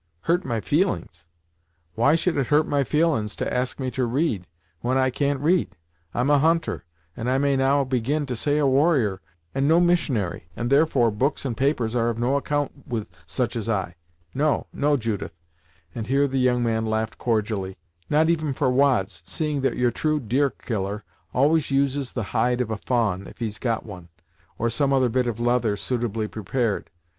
"Hurt my feelin's? Why should it hurt my feelin's to ask me to read, when I can't read. I'm a hunter and I may now begin to say a warrior, and no missionary, and therefore books and papers are of no account with such as I No, no Judith," and here the young man laughed cordially, "not even for wads, seeing that your true deerkiller always uses the hide of a fa'a'n, if he's got one, or some other bit of leather suitably prepared.